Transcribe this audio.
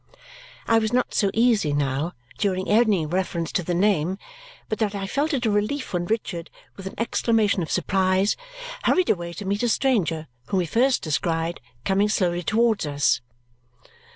I was not so easy now during any reference to the name but that I felt it a relief when Richard, with an exclamation of surprise, hurried away to meet a stranger whom he first descried coming slowly towards us.